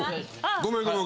ごめんごめん。